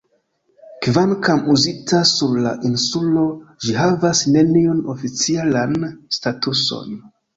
Kvankam uzita sur la insulo, ĝi havas neniun oficialan statuson.